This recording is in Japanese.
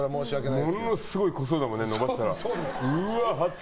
ものすごい濃そうだもんね伸ばしたら。